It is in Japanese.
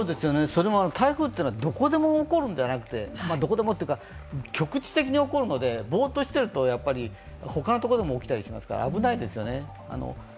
それも台風というのはどこでも起こるのではなくて、局地的に起こるので、ぼーっとしてると、やっぱりほかのところでも起きたりしますから、危ないですよね。